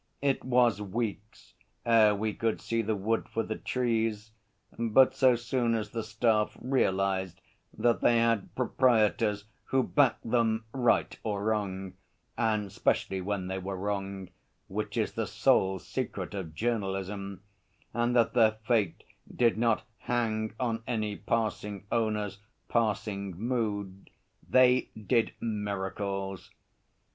It was weeks ere we could see the wood for the trees, but so soon as the staff realised that they had proprietors who backed them right or wrong, and specially when they were wrong (which is the sole secret of journalism), and that their fate did not hang on any passing owner's passing mood, they did miracles.